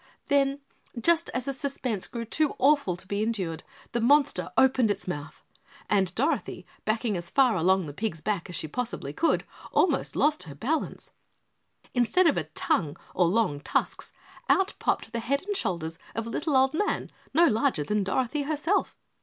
Then just as the suspense grew too awful to be endured, the monster opened its mouth and Dorothy, backing as far along the pig's back as she possibly could, almost lost her balance. Instead of a tongue or long tusks, out popped the head and shoulders of a little old man no larger than Dorothy herself.